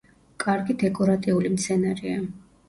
კარგი დეკორატიული მცენარეა.